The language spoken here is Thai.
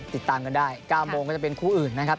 ติดตามกันได้๙โมงก็จะเป็นคู่อื่นนะครับ